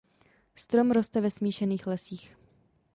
Strom roste ve smíšených lesích.